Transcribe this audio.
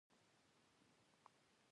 په پای کې کله چې پامیر د روسیې لاسته ورغی.